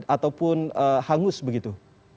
ataupun hangus begitu